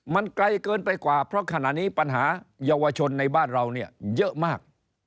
มันไกลเกินไปกว่าเพราะขณะนี้ปัญหาเยาวชนในบ้านเราเนี่ยเยอะมาก